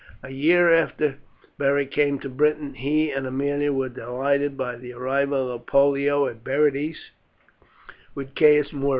A year after Beric came to Britain he and Aemilia were delighted by the arrival of Pollio and Berenice with Caius Muro.